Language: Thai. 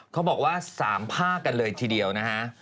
เขาบอกว่า๓ภาคกันเลยทีเดียวนะฮะ